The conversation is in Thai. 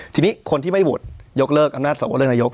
ทีนี้คนที่ไม่โหวตยกเลิกอำนาจสวเลือกนายก